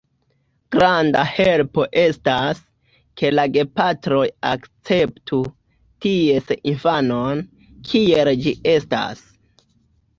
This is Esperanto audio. Granda helpo estas, ke la gepatroj akceptu ties infanon, kiel ĝi estas.